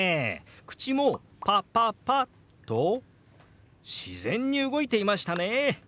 口も「パパパ」と自然に動いていましたね。